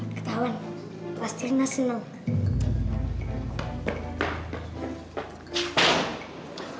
ketauan pastinya senang